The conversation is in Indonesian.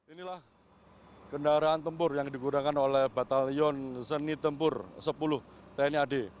inilah kendaraan tempur yang digunakan oleh batalion seni tempur sepuluh tni ad